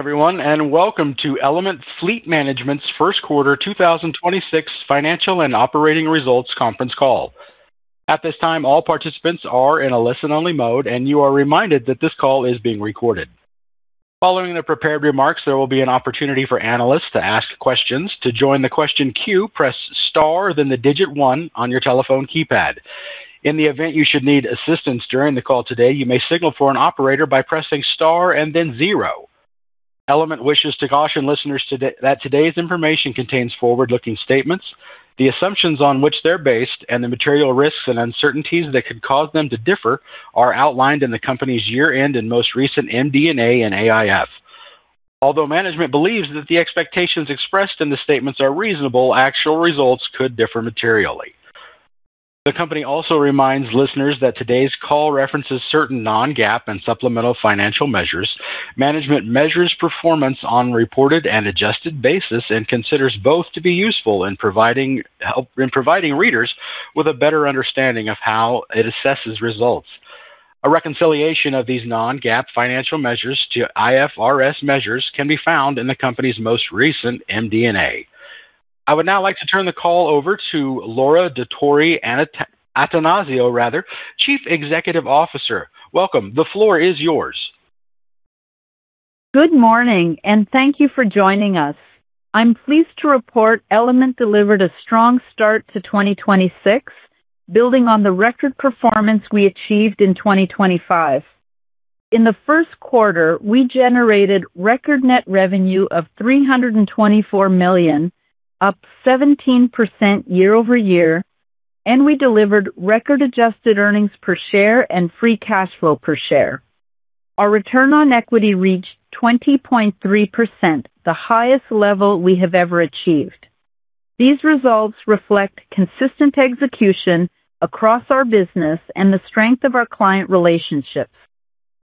Everyone, welcome to Element Fleet Management's first quarter 2026 financial and operating results conference call. At this time, all participants are in a listen-only mode, and you are reminded that this call is being recorded. Following the prepared remarks, there will be an opportunity for analysts to ask questions. To join the question queue, press star then the digit one on your telephone keypad. In the event you should need assistance during the call today, you may signal for an operator by pressing star and then zero. Element wishes to caution listeners today that today's information contains forward-looking statements. The assumptions on which they're based and the material risks and uncertainties that could cause them to differ are outlined in the company's year-end and most recent MD&A and AIF. Management believes that the expectations expressed in the statements are reasonable, actual results could differ materially. The company also reminds listeners that today's call references certain non-GAAP and supplemental financial measures. Management measures performance on reported and adjusted basis and considers both to be useful in providing readers with a better understanding of how it assesses results. A reconciliation of these non-GAAP financial measures to IFRS measures can be found in the company's most recent MD&A. I would now like to turn the call over to Laura Dottori-Attanasio, Attanasio rather, Chief Executive Officer. Welcome. The floor is yours. Good morning, and thank you for joining us. I'm pleased to report Element delivered a strong start to 2026, building on the record performance we achieved in 2025. In the first quarter, we generated record net revenue of $324 million, up 17% year-over-year, and we delivered record adjusted earnings per share and free cash flow per share. Our return on equity reached 20.3%, the highest level we have ever achieved. These results reflect consistent execution across our business and the strength of our client relationships.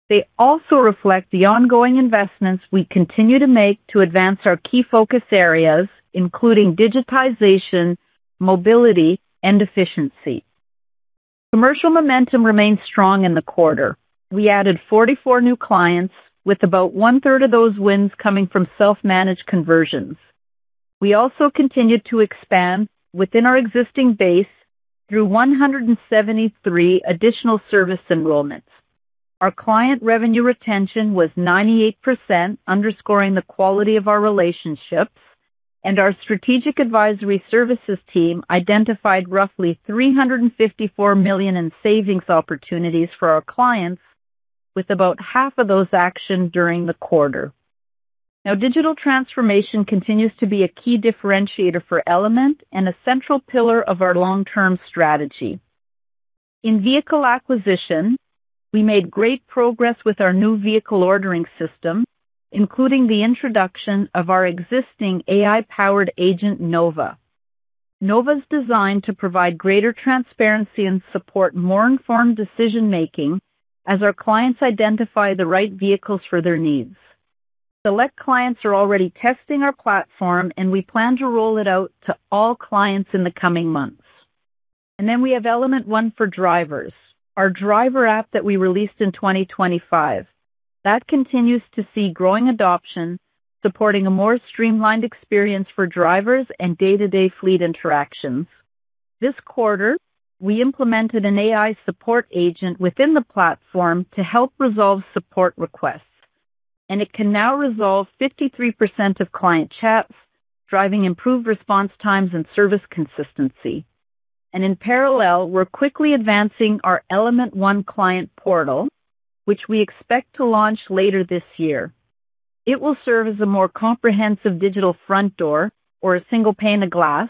They also reflect the ongoing investments we continue to make to advance our key focus areas, including digitization, mobility, and efficiency. Commercial momentum remains strong in the quarter. We added 44 new clients, with about one-third of those wins coming from self-managed conversions. We also continued to expand within our existing base through 173 additional service enrollments. Our client revenue retention was 98%, underscoring the quality of our relationships, and our Strategic Advisory Services team identified roughly $354 million in savings opportunities for our clients, with about half of those actioned during the quarter. Digital transformation continues to be a key differentiator for Element and a central pillar of our long-term strategy. In vehicle acquisition, we made great progress with our new vehicle ordering system, including the introduction of our existing AI-powered agent, Nova. Nova's designed to provide greater transparency and support more informed decision-making as our clients identify the right vehicles for their needs. Select clients are already testing our platform, and we plan to roll it out to all clients in the coming months. We have Element ONE for Drivers, our driver app that we released in 2025. That continues to see growing adoption, supporting a more streamlined experience for drivers and day-to-day fleet interactions. This quarter, we implemented an AI support agent within the platform to help resolve support requests, and it can now resolve 53% of client chats, driving improved response times and service consistency. In parallel, we're quickly advancing our Element ONE client portal, which we expect to launch later this year. It will serve as a more comprehensive digital front door or a single pane of glass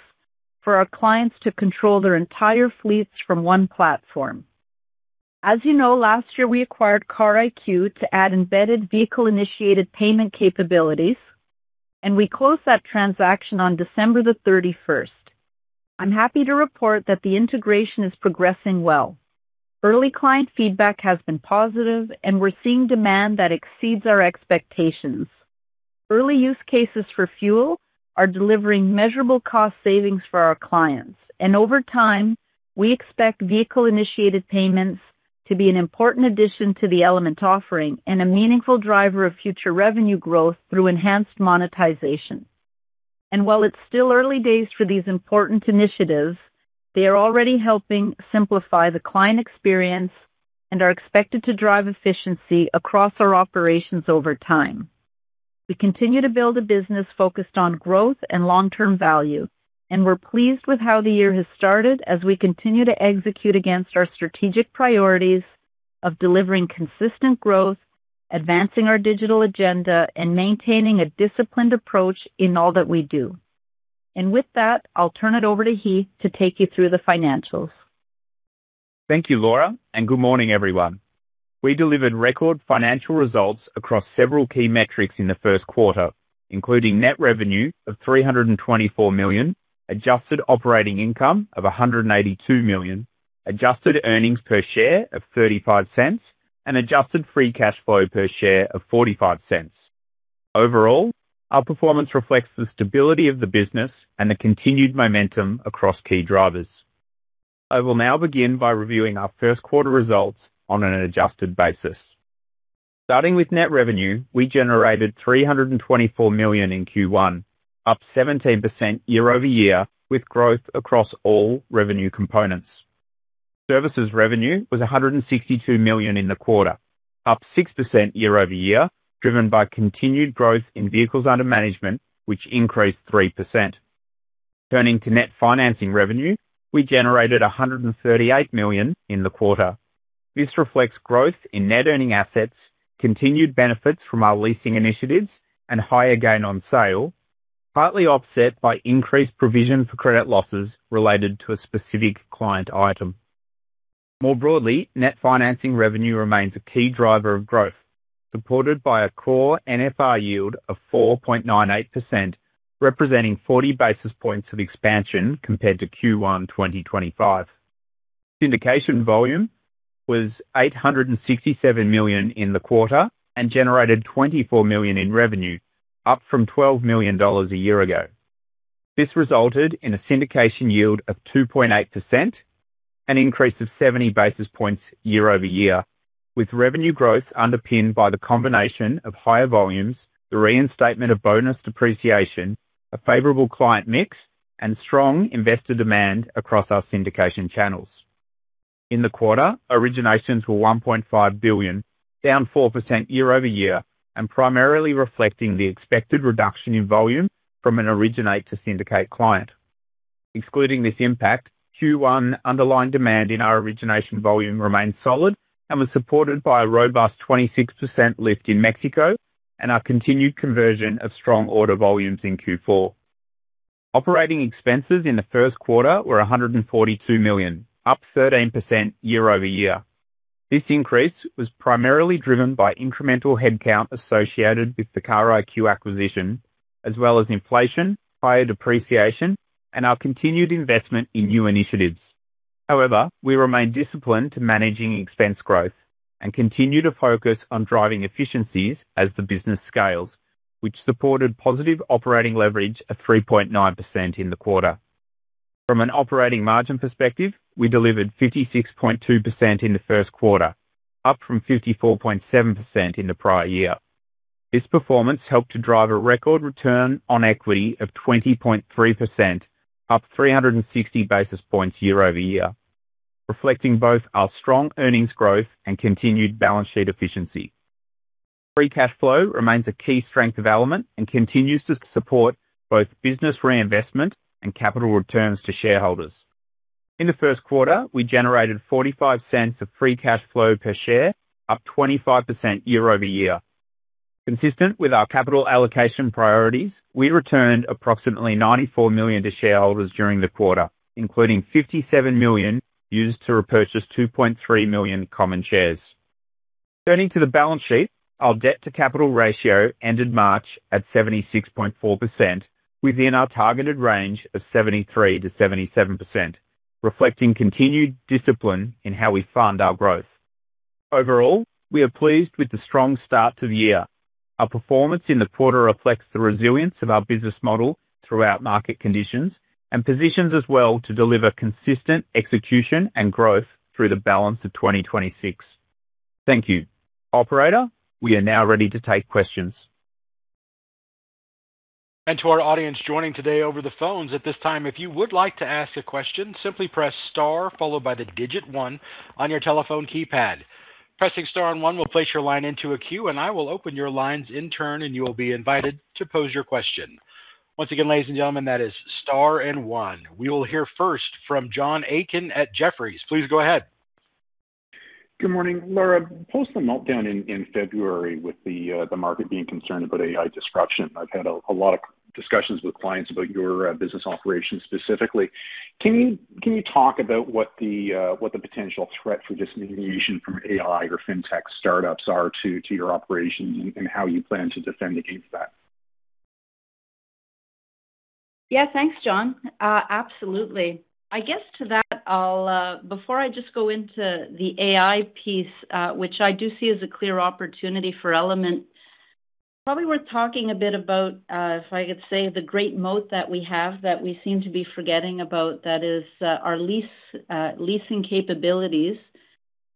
for our clients to control their entire fleets from one platform. As you know, last year, we acquired Car IQ to add embedded vehicle-initiated payment capabilities, and we closed that transaction on December 31st. I'm happy to report that the integration is progressing well. Early client feedback has been positive. We're seeing demand that exceeds our expectations. Early use cases for fuel are delivering measurable cost savings for our clients, and over time, we expect vehicle-initiated payments to be an important addition to the Element offering and a meaningful driver of future revenue growth through enhanced monetization. While it's still early days for these important initiatives, they are already helping simplify the client experience and are expected to drive efficiency across our operations over time. We continue to build a business focused on growth and long-term value, and we're pleased with how the year has started as we continue to execute against our strategic priorities of delivering consistent growth, advancing our digital agenda, and maintaining a disciplined approach in all that we do. With that, I'll turn it over to Heath to take you through the financials. Thank you, Laura. Good morning, everyone. We delivered record financial results across several key metrics in the first quarter, including net revenue of $324 million, adjusted operating income of $182 million, adjusted earnings per share of $0.35, and adjusted free cash flow per share of $0.45. Our performance reflects the stability of the business and the continued momentum across key drivers. I will now begin by reviewing our first quarter results on an adjusted basis. Starting with net revenue, we generated $324 million in Q1, up 17% year-over-year with growth across all revenue components. Services revenue was $162 million in the quarter, up 6% year-over-year, driven by continued growth in vehicles under management, which increased 3%. Turning to net financing revenue, we generated $138 million in the quarter. This reflects growth in net earning assets, continued benefits from our leasing initiatives and higher gain on sale, partly offset by increased provision for credit losses related to a specific client item. More broadly, net financing revenue remains a key driver of growth, supported by a core NFR yield of 4.98%, representing 40 basis points of expansion compared to Q1 2025. Syndication volume was $867 million in the quarter and generated $24 million in revenue, up from $12 million a year ago. This resulted in a syndication yield of 2.8%, an increase of 70 basis points year-over-year, with revenue growth underpinned by the combination of higher volumes, the reinstatement of bonus depreciation, a favorable client mix and strong investor demand across our syndication channels. In the quarter, originations were $1.5 billion, down 4% year-over-year, and primarily reflecting the expected reduction in volume from an originate to syndicate client. Excluding this impact, Q1 underlying demand in our origination volume remained solid and was supported by a robust 26% lift in Mexico and our continued conversion of strong order volumes in Q4. Operating expenses in the first quarter were $142 million, up 13% year-over-year. This increase was primarily driven by incremental headcount associated with the Car IQ acquisition, as well as inflation, higher depreciation, and our continued investment in new initiatives. We remain disciplined to managing expense growth and continue to focus on driving efficiencies as the business scales, which supported positive operating leverage of 3.9% in the quarter. From an operating margin perspective, we delivered 56.2% in the first quarter, up from 54.7% in the prior year. This performance helped to drive a record return on equity of 20.3%, up 360 basis points year-over-year, reflecting both our strong earnings growth and continued balance sheet efficiency. Free cash flow remains a key strength of Element and continues to support both business reinvestment and capital returns to shareholders. In the first quarter, we generated $0.45 of free cash flow per share, up 25% year-over-year. Consistent with our capital allocation priorities, we returned approximately $94 million to shareholders during the quarter, including $57 million used to repurchase 2.3 million common shares. Turning to the balance sheet, our debt to capital ratio ended March at 76.4% within our targeted range of 73%-77%, reflecting continued discipline in how we fund our growth. Overall, we are pleased with the strong start to the year. Our performance in the quarter reflects the resilience of our business model throughout market conditions and positions us well to deliver consistent execution and growth through the balance of 2026. Thank you. Operator, we are now ready to take questions. To our audience joining today over the phones at this time, if you would like to ask a question, simply press star followed by the digit one on your telephone keypad. Pressing star one will place your line into a queue, and I will open your lines in turn, and you will be invited to pose your question. Once again, ladies and gentlemen, that is star and one. We will hear first from John Aiken at Jefferies. Please go ahead. Good morning. Laura, post the meltdown in February with the market being concerned about AI disruption, I've had a lot of discussions with clients about your business operations specifically. Can you talk about what the potential threat for disintermediation from AI or Fintech startups are to your operations and how you plan to defend against that? Yeah. Thanks, John. Absolutely. I guess to that, I'll, before I just go into the AI piece, which I do see as a clear opportunity for Element, probably worth talking a bit about, if I could say the great moat that we have that we seem to be forgetting about, that is, our lease, leasing capabilities.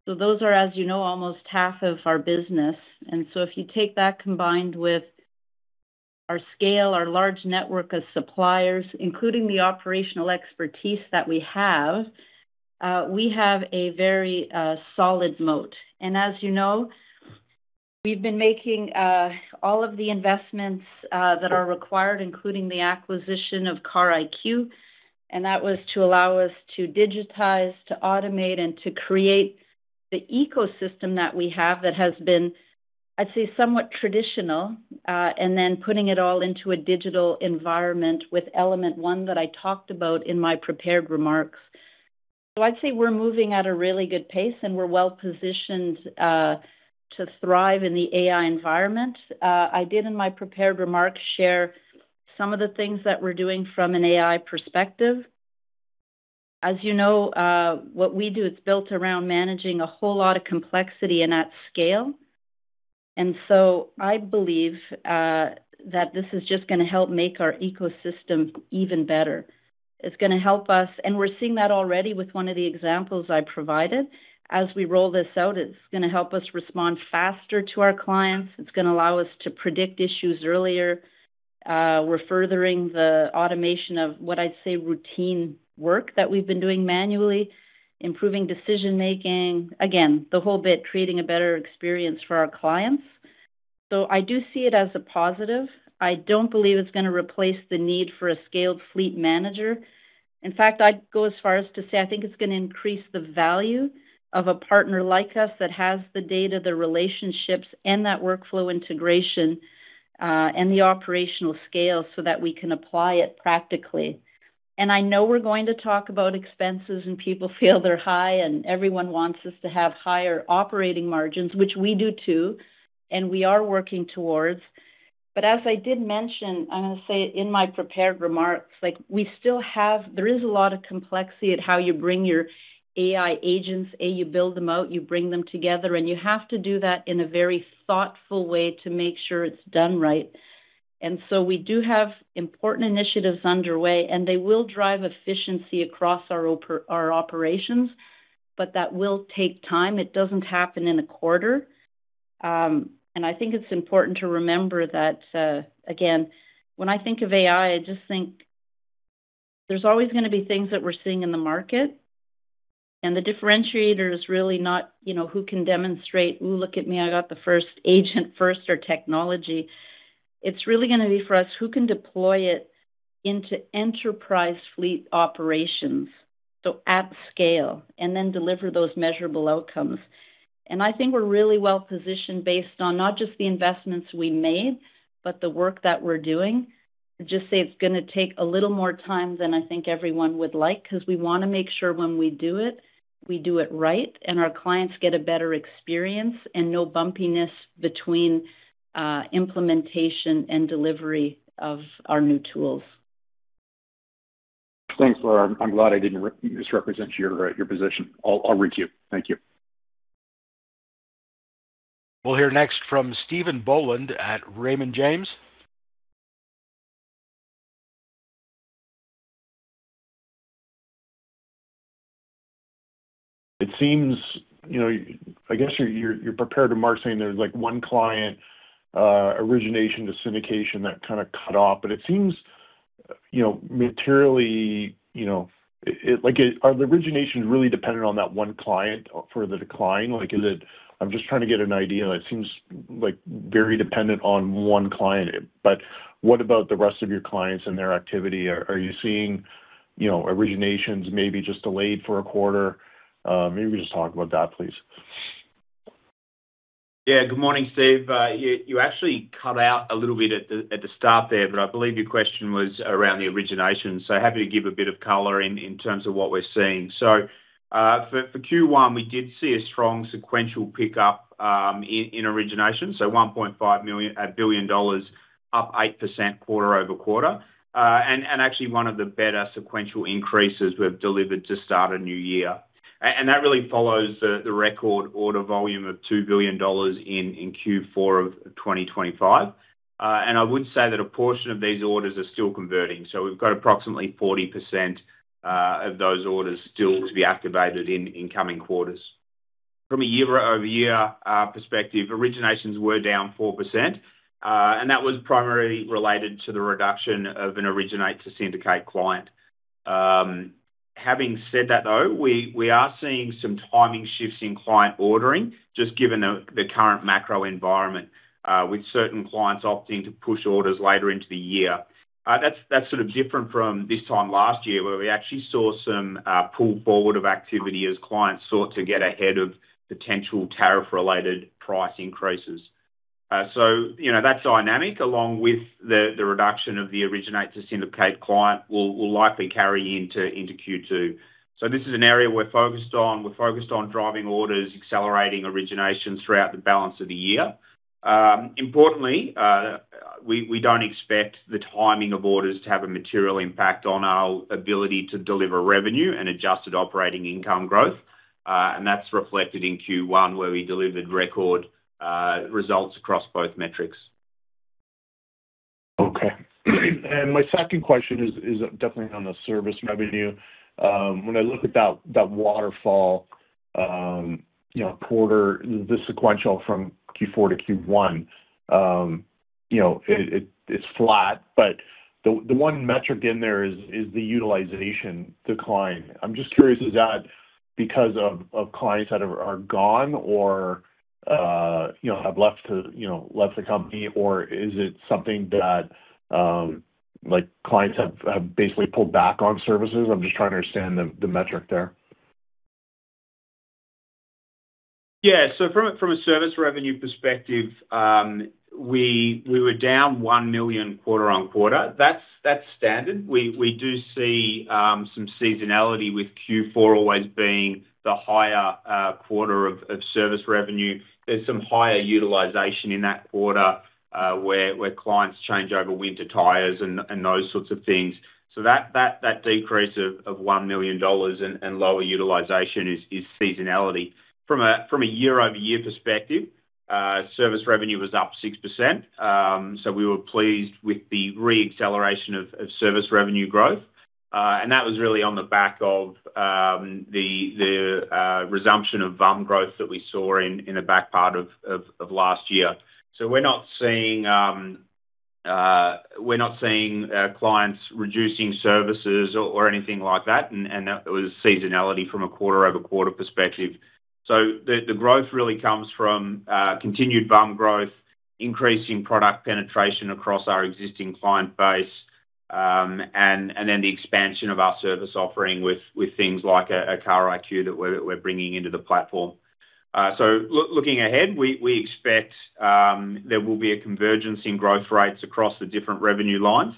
Those are, as you know, almost half of our business. If you take that combined with our scale, our large network of suppliers, including the operational expertise that we have, we have a very solid moat. As you know, we've been making all of the investments that are required, including the acquisition of Car IQ. That was to allow us to digitize, to automate, and to create the ecosystem that we have that has been, I'd say, somewhat traditional, and then putting it all into a digital environment with Element ONE that I talked about in my prepared remarks. I'd say we're moving at a really good pace, and we're well-positioned to thrive in the AI environment. I did in my prepared remarks share some of the things that we're doing from an AI perspective. As you know, what we do is built around managing a whole lot of complexity and at scale. I believe that this is just gonna help make our ecosystem even better. It's gonna help us. We're seeing that already with one of the examples I provided. As we roll this out, it's gonna help us respond faster to our clients. It's gonna allow us to predict issues earlier. We're furthering the automation of what I'd say routine work that we've been doing manually, improving decision-making. Again, the whole bit, creating a better experience for our clients. I do see it as a positive. I don't believe it's gonna replace the need for a scaled fleet manager. In fact, I'd go as far as to say I think it's gonna increase the value of a partner like us that has the data, the relationships, and that workflow integration and the operational scale so that we can apply it practically. I know we're going to talk about expenses, and people feel they're high, and everyone wants us to have higher operating margins, which we do too, and we are working towards. As I did mention, I'm gonna say in my prepared remarks, like there is a lot of complexity at how you bring your AI agents, you build them out, you bring them together, and you have to do that in a very thoughtful way to make sure it's done right. So we do have important initiatives underway, and they will drive efficiency across our operations, but that will take time. It doesn't happen in a quarter. I think it's important to remember that, again, when I think of AI, I just think there's always gonna be things that we're seeing in the market. The differentiator is really not, you know, who can demonstrate, "Ooh, look at me, I got the first agent first or technology." It's really gonna be for us, who can deploy it into enterprise fleet operations, so at scale, and then deliver those measurable outcomes. I think we're really well-positioned based on not just the investments we made, but the work that we're doing. I'll just say it's gonna take a little more time than I think everyone would like because we wanna make sure when we do it, we do it right, and our clients get a better experience and no bumpiness between implementation and delivery of our new tools. Thanks, Laura. I'm glad I didn't misrepresent your position. I'll read you. Thank you. We'll hear next from Stephen Boland at Raymond James. It seems, you know, I guess your prepared remark saying there's like one client, origination to syndication that kinda cut off. It seems, you know, materially, you know, Like, are the originations really dependent on that one client for the decline? Like, I'm just trying to get an idea. It seems, like, very dependent on one client. What about the rest of your clients and their activity? Are you seeing, you know, originations maybe just delayed for a quarter? Maybe just talk about that, please. Yeah. Good morning, Steve. You actually cut out a little bit at the start there, I believe your question was around the origination. Happy to give a bit of color in terms of what we're seeing. For Q1, we did see a strong sequential pickup in origination. $1.5 billion, up 8% quarter-over-quarter. And actually one of the better sequential increases we've delivered to start a new year. And that really follows the record order volume of $2 billion in Q4 of 2025. I would say that a portion of these orders are still converting. We've got approximately 40% of those orders still to be activated in incoming quarters. From a year-over-year perspective, originations were down 4%, and that was primarily related to the reduction of an originate to syndicate client. Having said that, though, we are seeing some timing shifts in client ordering, just given the current macro environment, with certain clients opting to push orders later into the year. That's sort of different from this time last year, where we actually saw some pull forward of activity as clients sought to get ahead of potential tariff-related price increases. You know, that dynamic, along with the reduction of the originate to syndicate client, will likely carry into Q2. This is an area we're focused on. We're focused on driving orders, accelerating originations throughout the balance of the year. Importantly, we don't expect the timing of orders to have a material impact on our ability to deliver revenue and adjusted operating income growth. That's reflected in Q1, where we delivered record results across both metrics. Okay. My second question is definitely on the service revenue. When I look at that waterfall, the sequential from Q4 to Q1, it is flat. The one metric in there is the utilization decline. I am just curious, is that because of clients that are gone or have left the company, or is it something that clients have basically pulled back on services? I am just trying to understand the metric there. Yeah. From a service revenue perspective, we were down $1 million quarter-on-quarter. That's standard. We do see some seasonality with Q4 always being the higher quarter of service revenue. There's some higher utilization in that quarter, where clients change over winter tires and those sorts of things. That decrease of $1 million and lower utilization is seasonality. From a year-over-year perspective, service revenue was up 6%, we were pleased with the re-acceleration of service revenue growth. That was really on the back of the resumption of VUM growth that we saw in the back part of last year. We're not seeing clients reducing services or anything like that. That was seasonality from a quarter-over-quarter perspective. The growth really comes from continued VUM growth, increasing product penetration across our existing client base, and then the expansion of our service offering with things like Car IQ that we're bringing into the platform. Looking ahead, we expect there will be a convergence in growth rates across the different revenue lines.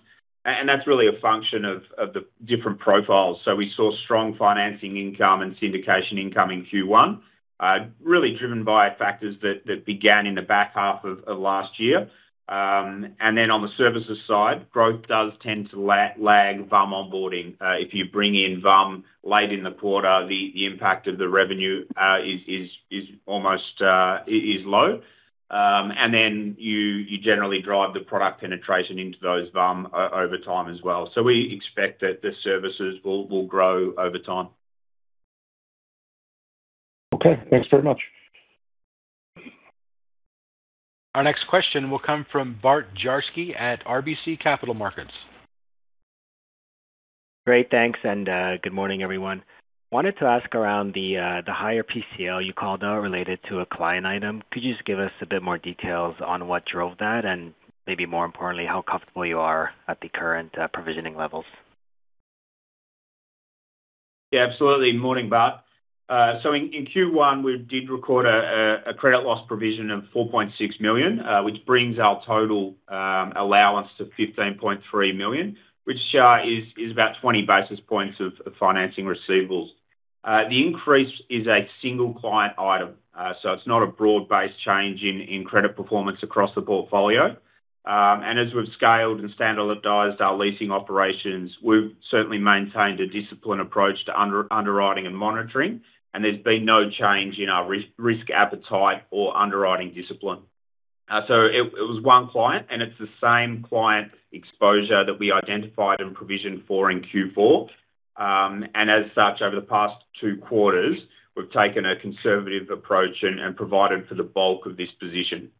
That's really a function of the different profiles. We saw strong financing income and syndication income in Q1, really driven by factors that began in the back half of last year. On the services side, growth does tend to lag VUM onboarding. If you bring in VUM late in the quarter, the impact of the revenue is almost is low. You generally drive the product penetration into those VUM over time as well. We expect that the services will grow over time. Okay. Thanks very much. Our next question will come from Bart Dziarski at RBC Capital Markets. Great, thanks, and good morning, everyone. Wanted to ask around the higher PCL you called out related to a client item. Could you just give us a bit more details on what drove that, and maybe more importantly, how comfortable you are at the current provisioning levels? Yeah, absolutely. Morning, Bart. In Q1, we did record a credit loss provision of $4.6 million, which brings our total allowance to $15.3 million, which is about 20 basis points of financing receivables. The increase is a single client item. It's not a broad-based change in credit performance across the portfolio. As we've scaled and standardized our leasing operations, we've certainly maintained a disciplined approach to underwriting and monitoring, and there's been no change in our risk appetite or underwriting discipline. It was one client, and it's the same client exposure that we identified and provisioned for in Q4. As such, over the past two quarters, we've taken a conservative approach and provided for the bulk of this position.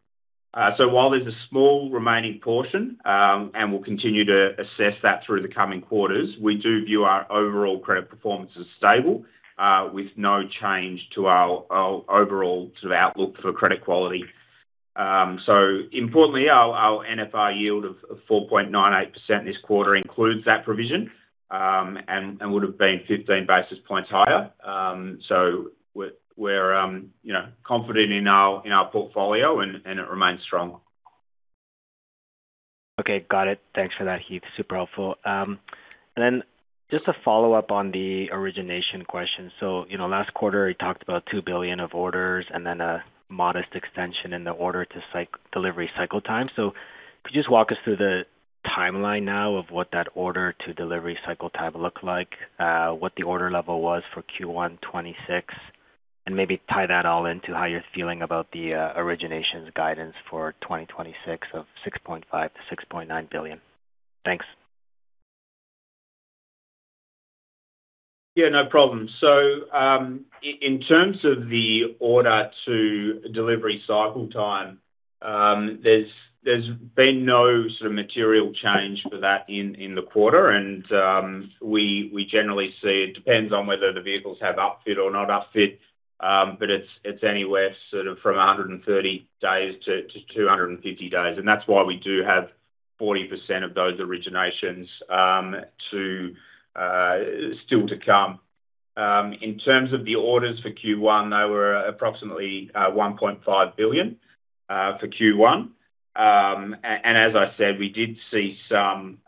While there's a small remaining portion, and we'll continue to assess that through the coming quarters, we do view our overall credit performance as stable, with no change to our overall sort of outlook for credit quality. Importantly, our NFI yield of 4.98% this quarter includes that provision, and would have been 15 basis points higher. We're, you know, confident in our, in our portfolio and it remains strong. Okay. Got it. Thanks for that, Heath. Super helpful. Just to follow up on the origination question. You know, last quarter you talked about $2 billion of orders and then a modest extension in the order to delivery cycle time. Could you just walk us through the timeline now of what that order to delivery cycle time look like, what the order level was for Q1 2026, and maybe tie that all into how you're feeling about the originations guidance for 2026 of $6.5 billion-$6.9 billion. Thanks. Yeah, no problem. In terms of the order to delivery cycle time, there's been no sort of material change for that in the quarter. We generally see it depends on whether the vehicles have upfit or not upfit. It's anywhere sort of from 130 days to 250 days. That's why we do have 40% of those originations to still to come. In terms of the orders for Q1, they were approximately $1.5 billion for Q1. And as I said, we did see some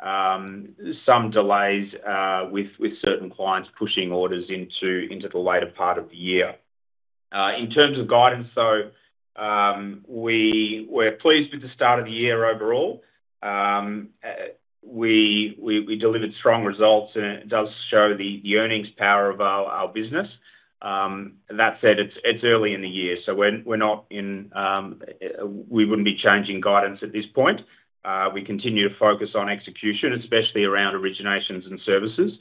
delays with certain clients pushing orders into the later part of the year. In terms of guidance, we're pleased with the start of the year overall. We delivered strong results and it does show the earnings power of our business. That said, it's early in the year, so we're not in, we wouldn't be changing guidance at this point. We continue to focus on execution, especially around originations and services.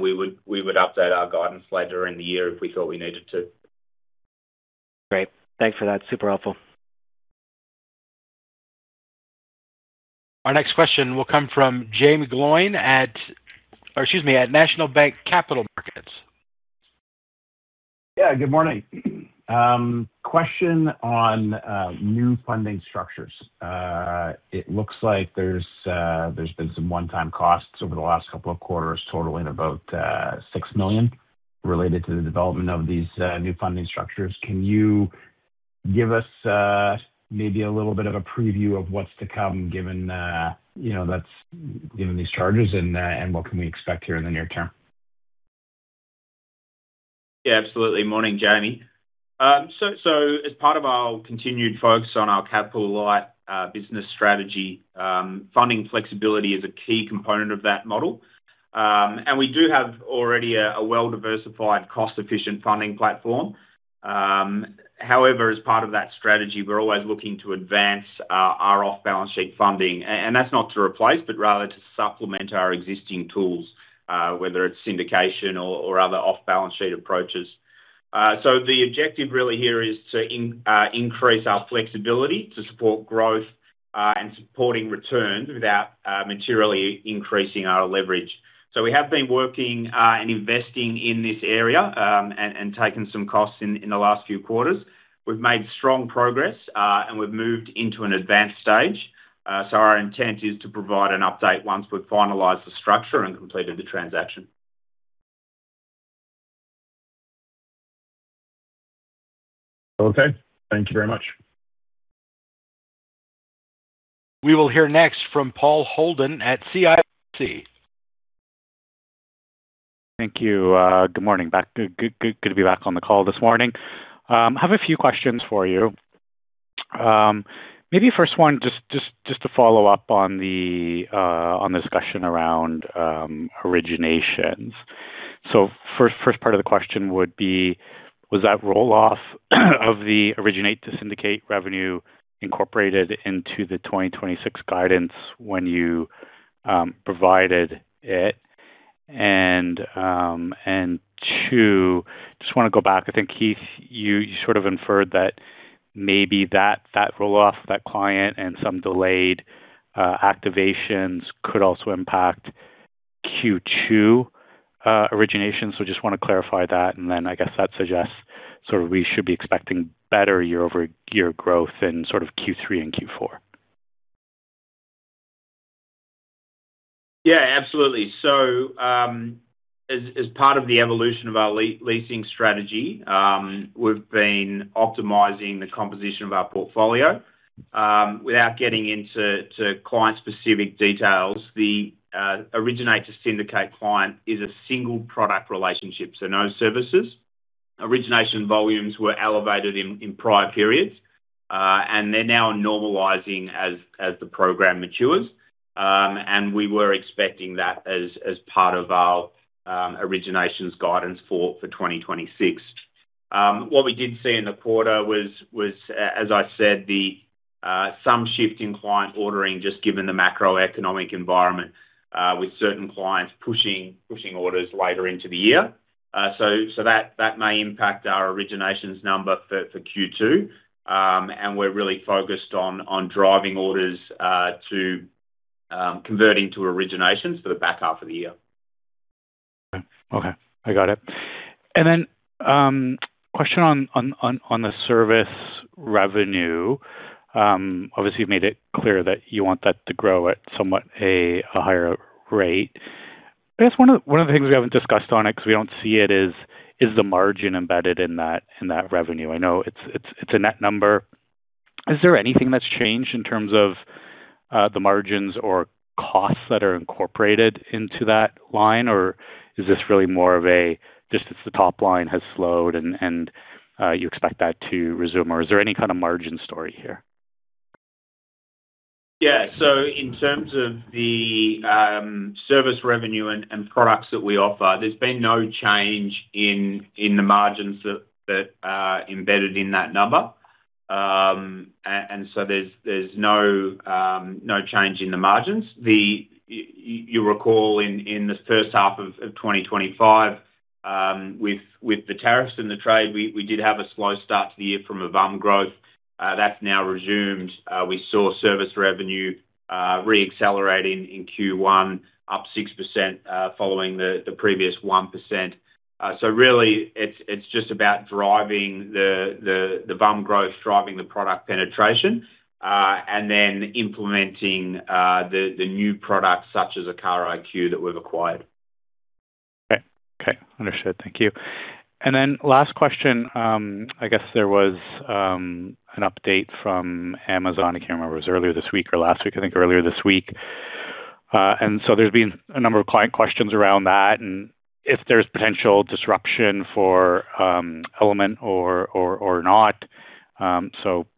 We would update our guidance later in the year if we thought we needed to. Great. Thanks for that. Super helpful. Our next question will come from Jaeme Gloyn at National Bank Capital Markets. Yeah, good morning. Question on new funding structures. It looks like there's been some one-time costs over the last couple of quarters, totaling about $6 million related to the development of these new funding structures. Can you give us maybe a little bit of a preview of what's to come given, you know, given these charges and what can we expect here in the near term? Yeah, absolutely. Morning, Jaeme. As part of our continued focus on our capital light business strategy, funding flexibility is a key component of that model. We do have already a well-diversified, cost-efficient funding platform. As part of that strategy, we're always looking to advance our off-balance sheet funding. And that's not to replace, but rather to supplement our existing tools, whether it's syndication or other off-balance sheet approaches. The objective really here is to increase our flexibility to support growth and supporting returns without materially increasing our leverage. We have been working and investing in this area and taking some costs in the last few quarters. We've made strong progress and we've moved into an advanced stage. Our intent is to provide an update once we've finalized the structure and completed the transaction. Okay. Thank you very much. We will hear next from Paul Holden at CIBC. Thank you. Good morning. Good to be back on the call this morning. I have a few questions for you. Maybe first one, just to follow up on the discussion around originations. First part of the question would be, was that roll-off of the originate to syndicate revenue incorporated into the 2026 guidance when you provided it? Two, just wanna go back. I think, Heath, you sort of inferred that maybe that roll-off, that client and some delayed activations could also impact Q2 origination. Just wanna clarify that, I guess that suggests sort of we should be expecting better year-over-year growth in sort of Q3 and Q4. Yeah, absolutely. As part of the evolution of our leasing strategy, we've been optimizing the composition of our portfolio. Without getting into client-specific details, the originate to syndicate client is a single product relationship, so no services. Origination volumes were elevated in prior periods, they're now normalizing as the program matures. We were expecting that as part of our originations guidance for 2026. What we did see in the quarter was, as I said, some shift in client ordering just given the macroeconomic environment, with certain clients pushing orders later into the year. That may impact our originations number for Q2. We're really focused on driving orders to converting to originations for the back half of the year. Okay. Okay, I got it. Question on the service revenue. Obviously you've made it clear that you want that to grow at somewhat a higher rate. I guess one of the things we haven't discussed on it 'cause we don't see it is the margin embedded in that revenue. I know it's a net number. Is there anything that's changed in terms of the margins or costs that are incorporated into that line? Or is this really more of a just it's the top line has slowed and you expect that to resume? Or is there any kind of margin story here? In terms of the service revenue and products that we offer, there's been no change in the margins that are embedded in that number. There's no change in the margins. You recall in the first half of 2025, with the tariffs and the trade, we did have a slow start to the year from a VUM growth. That's now resumed. We saw service revenue re-accelerating in Q1, up 6%, following the previous 1%. Really it's just about driving the VUM growth, driving the product penetration, and then implementing the new products such as Car IQ that we've acquired. Okay. Okay. Understood. Thank you. Last question. I guess there was an update from Amazon. I can't remember. It was earlier this week or last week. I think earlier this week. There's been a number of client questions around that and if there's potential disruption for Element or not.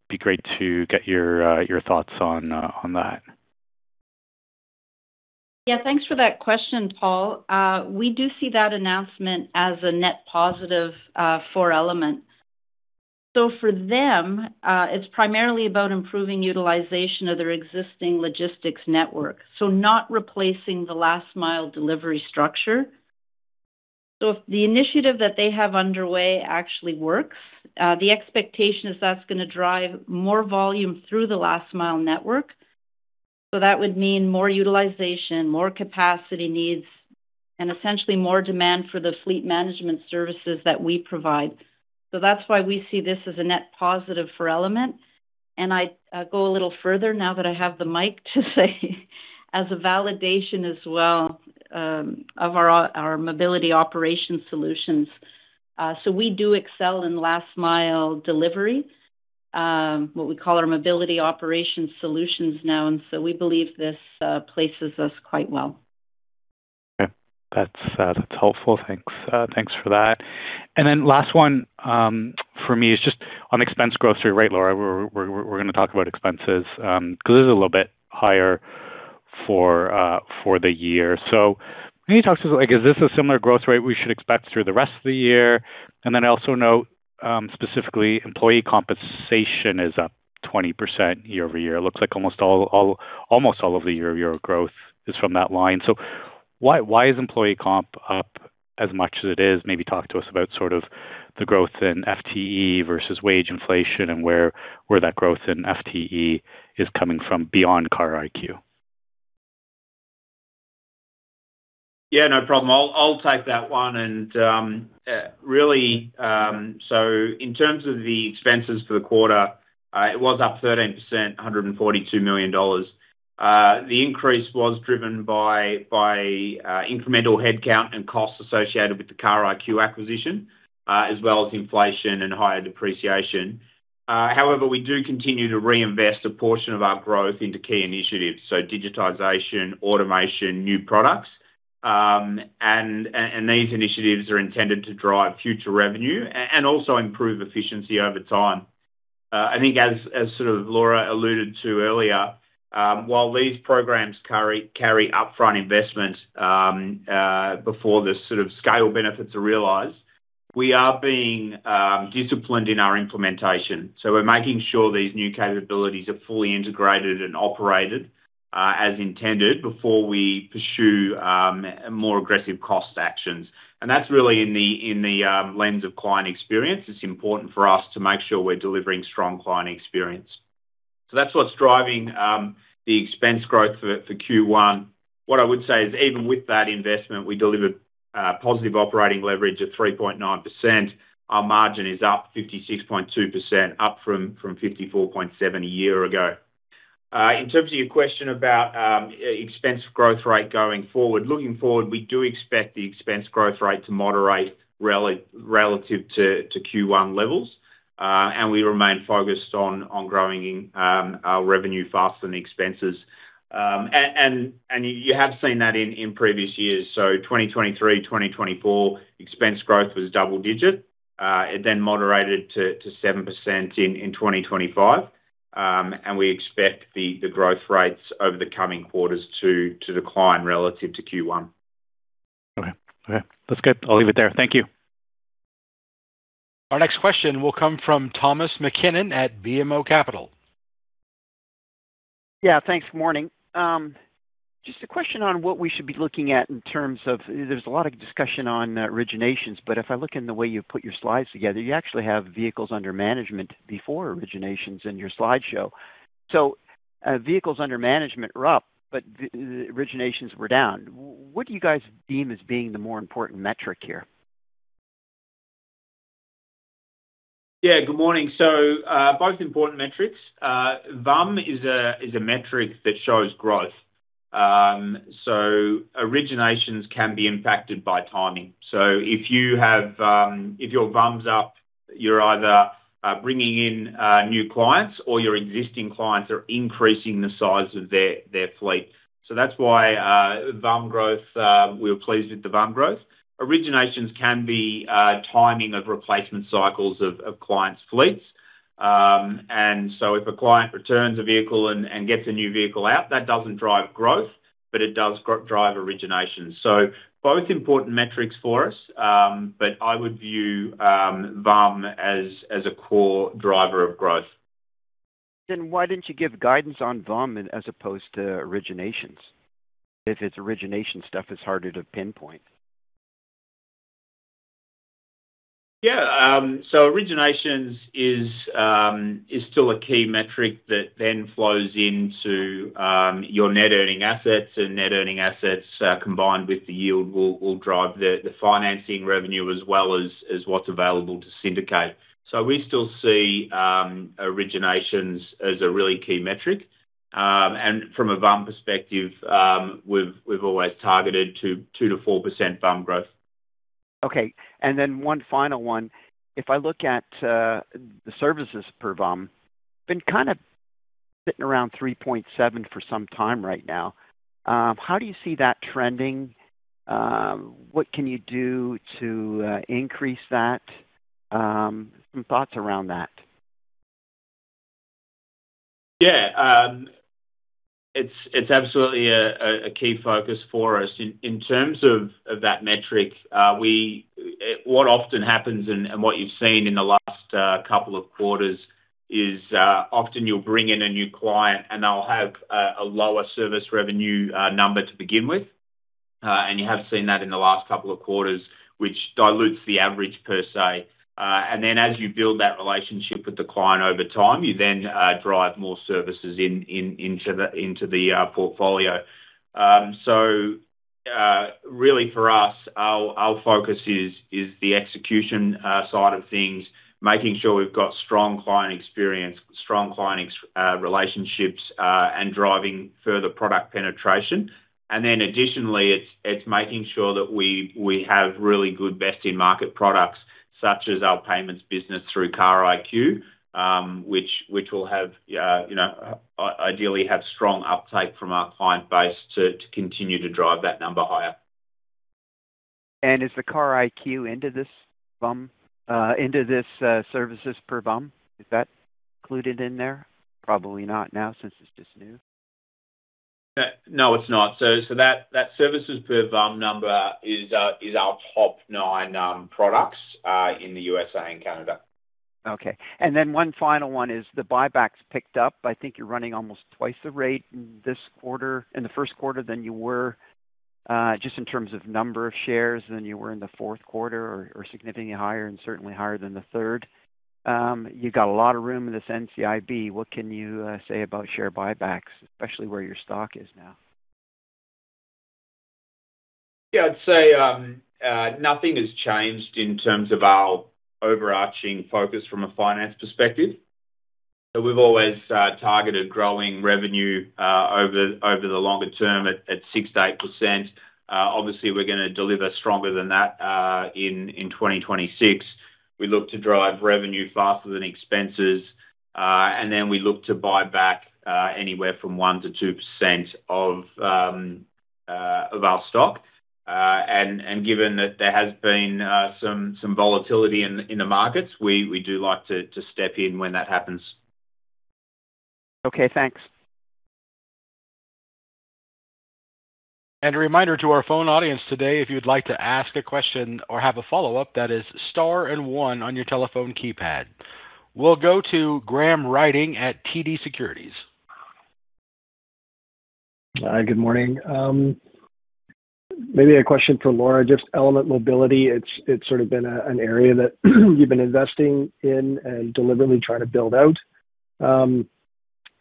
Be great to get your thoughts on that. Thanks for that question, Paul. We do see that announcement as a net positive for Element. For them, it's primarily about improving utilization of their existing logistics network, not replacing the last mile delivery structure. If the initiative that they have underway actually works, the expectation is that's gonna drive more volume through the last mile network. That would mean more utilization, more capacity needs, and essentially more demand for the fleet management services that we provide. That's why we see this as a net positive for Element. I go a little further now that I have the mic to say as a validation as well of our mobility operations solutions. We do excel in last mile delivery, what we call our mobility operations solutions now. We believe this places us quite well. Okay. That's helpful. Thanks. Thanks for that. Last one for me is just on expense growth through rate, Laura. We're gonna talk about expenses 'cause it is a little bit higher for the year. Can you talk to us like, is this a similar growth rate we should expect through the rest of the year? I also note, specifically, employee compensation is up 20% year-over-year. It looks like almost all of the year-over-year growth is from that line. Why is employee comp up as much as it is? Maybe talk to us about sort of the growth in FTE versus wage inflation and where that growth in FTE is coming from beyond Car IQ. Yeah, no problem. I'll take that one. In terms of the expenses for the quarter, it was up 13%, $142 million. The increase was driven by incremental headcount and costs associated with the Car IQ acquisition, as well as inflation and higher depreciation. However, we do continue to reinvest a portion of our growth into key initiatives, so digitization, automation, new products. These initiatives are intended to drive future revenue and also improve efficiency over time. I think as sort of Laura alluded to earlier, while these programs carry upfront investment, before the sort of scale benefits are realized, we are being disciplined in our implementation. We're making sure these new capabilities are fully integrated and operated as intended before we pursue more aggressive cost actions. That's really in the lens of client experience. It's important for us to make sure we're delivering strong client experience. That's what's driving the expense growth for Q1. What I would say is, even with that investment, we delivered positive operating leverage of 3.9%. Our margin is up 56.2%, up from 54.7% a year ago. In terms of your question about expense growth rate going forward, looking forward, we do expect the expense growth rate to moderate relative to Q1 levels. We remain focused on growing our revenue faster than the expenses. You have seen that in previous years. 2023, 2024 expense growth was double-digit. It moderated to 7% in 2025. We expect the growth rates over the coming quarters to decline relative to Q1. Okay. Okay. That's good. I'll leave it there. Thank you. Our next question will come from Thomas MacKinnon at BMO Capital. Yeah, thanks. Morning. Just a question on what we should be looking at. There's a lot of discussion on originations, but if I look in the way you put your slides together, you actually have vehicles under management before originations in your slideshow. Vehicles under management are up, but the originations were down. What do you guys deem as being the more important metric here? Yeah. Good morning. Both important metrics. VUM is a metric that shows growth. Originations can be impacted by timing. If you have, if your VUM's up, you're either bringing in new clients or your existing clients are increasing the size of their fleet. That's why VUM growth, we were pleased with the VUM growth. Originations can be timing of replacement cycles of clients' fleets. If a client returns a vehicle and gets a new vehicle out, that doesn't drive growth, but it does drive origination. Both important metrics for us, I would view VUM as a core driver of growth. Why didn't you give guidance on VUM as opposed to originations, if it's origination stuff is harder to pinpoint? Yeah. Originations is still a key metric that then flows into your net earning assets. Net earning assets combined with the yield will drive the financing revenue as well as what's available to syndicate. We still see originations as a really key metric. From a VUM perspective, we've always targeted to 2%-4% VUM growth. Okay. One final one. If I look at the services per VUM, been kind of sitting around 3.7 for some time right now. How do you see that trending? What can you do to increase that? Some thoughts around that. Yeah. It's absolutely a key focus for us. In terms of that metric, what often happens and what you've seen in the last couple of quarters is often you'll bring in a new client, and they'll have a lower service revenue number to begin with, and you have seen that in the last couple of quarters, which dilutes the average per se. Then as you build that relationship with the client over time, you then drive more services into the portfolio. Really for us, our focus is the execution side of things, making sure we've got strong client experience, strong client relationships, and driving further product penetration. Additionally, it's making sure that we have really good best-in-market products, such as our payments business through Car IQ, which will have, you know, ideally have strong uptake from our client base to continue to drive that number higher. Is the Car IQ into this VUM, into this services per VUM? Is that included in there? Probably not now since it's just new. No, it's not. That services per VUM number is our top nine products in the USA and Canada. Okay. One final one is the buybacks picked up. I think you're running almost twice the rate in this quarter, in the first quarter than you were, just in terms of number of shares than you were in the fourth quarter or significantly higher and certainly higher than the third. You got a lot of room in this NCIB. What can you say about share buybacks, especially where your stock is now? I'd say nothing has changed in terms of our overarching focus from a finance perspective. We've always targeted growing revenue over the longer term at 6%-8%. Obviously, we're gonna deliver stronger than that in 2026. We look to drive revenue faster than expenses, and then we look to buy back anywhere from 1%-2% of our stock. Given that there has been some volatility in the markets, we do like to step in when that happens. Okay, thanks. A reminder to our phone audience today, if you'd like to ask a question or have a follow-up, that is star and one on your telephone keypad. We'll go to Graham Ryding at TD Securities. Hi, good morning. Maybe a question for Laura. Just Element Mobility. It's sort of been an area that you've been investing in and deliberately trying to build out.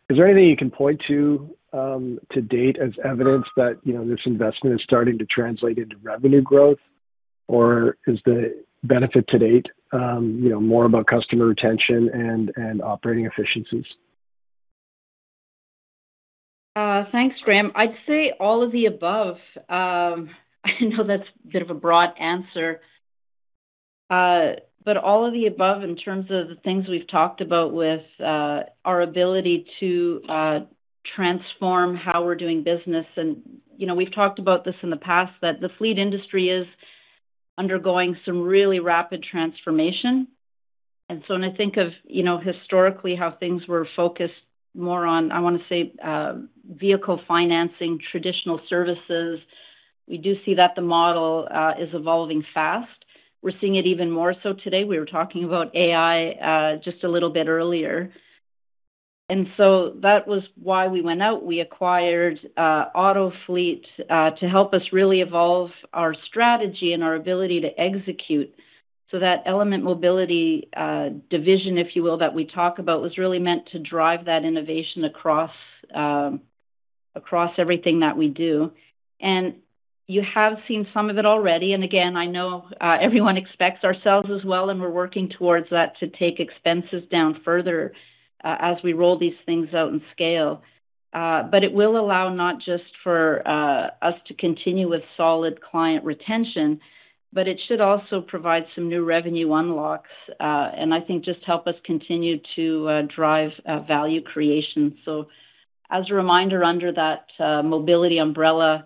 Is there anything you can point to to date as evidence that, you know, this investment is starting to translate into revenue growth? Is the benefit to date, you know, more about customer retention and operating efficiencies? Thanks, Graham. I'd say all of the above. I know that's a bit of a broad answer. All of the above in terms of the things we've talked about with our ability to transform how we're doing business. You know, we've talked about this in the past, that the fleet industry is undergoing some really rapid transformation. When I think of, you know, historically how things were focused more on, I wanna say, vehicle financing, traditional services, we do see that the model is evolving fast. We're seeing it even more so today. We were talking about AI just a little bit earlier. That was why we went out. We acquired Autofleet to help us really evolve our strategy and our ability to execute. That Element Mobility division, if you will, that we talk about, was really meant to drive that innovation across everything that we do. You have seen some of it already. Again, I know, everyone expects ourselves as well, and we're working towards that to take expenses down further, as we roll these things out and scale. It will allow not just for us to continue with solid client retention, but it should also provide some new revenue unlocks, and I think just help us continue to drive value creation. As a reminder, under that mobility umbrella,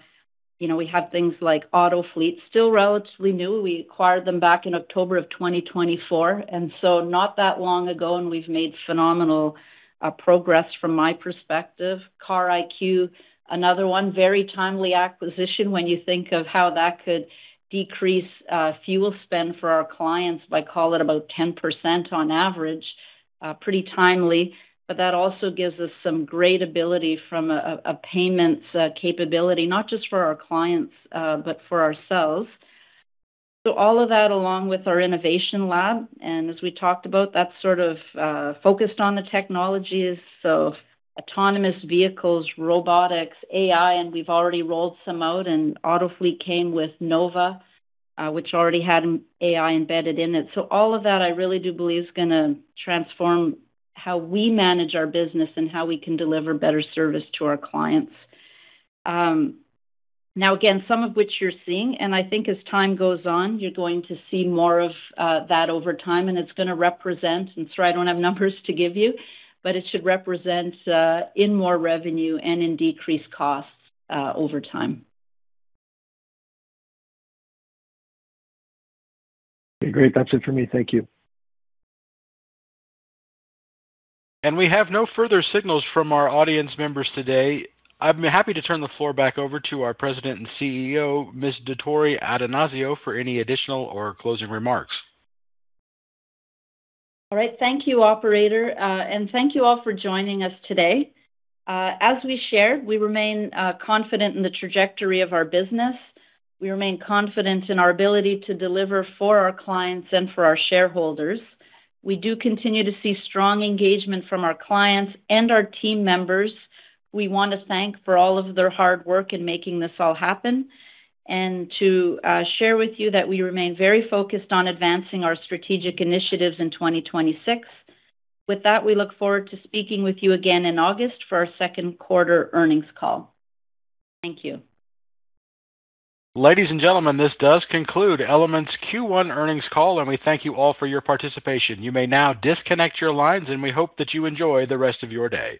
you know, we have things like Autofleet, still relatively new. We acquired them back in October of 2024, and so not that long ago, and we've made phenomenal progress from my perspective. Car IQ, another one, very timely acquisition when you think of how that could decrease fuel spend for our clients by call it about 10% on average. Pretty timely. That also gives us some great ability from a payments capability, not just for our clients, but for ourselves. All of that along with our innovation lab, and as we talked about, that's sort of focused on the technologies, so autonomous vehicles, robotics, AI, and we've already rolled some out, and Autofleet came with Nova, which already had AI embedded in it. All of that I really do believe is gonna transform how we manage our business and how we can deliver better service to our clients. Now again, some of which you're seeing, and I think as time goes on, you're going to see more of that over time. I don't have numbers to give you, but it should represent in more revenue and in decreased costs over time. Okay, great. That's it for me. Thank you. We have no further signals from our audience members today. I'm happy to turn the floor back over to our President and CEO, Ms. Dottori-Attanasio, for any additional or closing remarks. All right. Thank you, operator. Thank you all for joining us today. As we share, we remain confident in the trajectory of our business. We remain confident in our ability to deliver for our clients and for our shareholders. We do continue to see strong engagement from our clients and our team members. We want to thank for all of their hard work in making this all happen and to share with you that we remain very focused on advancing our strategic initiatives in 2026. With that, we look forward to speaking with you again in August for our second quarter earnings call. Thank you. Ladies and gentlemen, this does conclude Element's Q1 earnings call, and we thank you all for your participation. You may now disconnect your lines, and we hope that you enjoy the rest of your day.